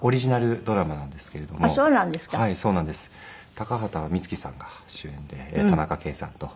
高畑充希さんが主演で田中圭さんと。